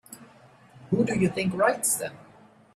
Who do you think writes them?